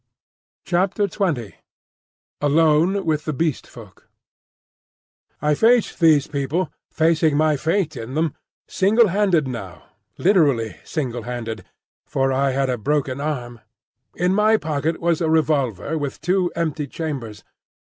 XX. ALONE WITH THE BEAST FOLK. I faced these people, facing my fate in them, single handed now,—literally single handed, for I had a broken arm. In my pocket was a revolver with two empty chambers.